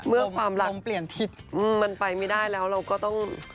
เมื่อความรักมันไปไม่ได้แล้วเราก็ต้อง